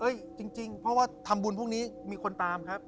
จริงเพราะว่าทำบุญพรุ่งนี้มีคนตามครับ